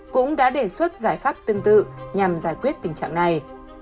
cũng đã đề xuất giải pháp tương tự nhằm giải quyết tình trạng này